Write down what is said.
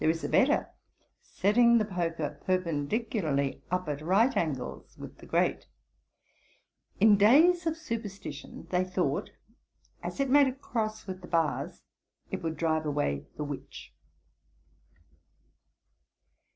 There is a better; (setting the poker perpendicularly up at right angles with the grate.) In days of superstition they thought, as it made a cross with the bars, it would drive away the witch.'